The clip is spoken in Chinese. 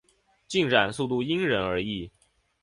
进展速度因人而异。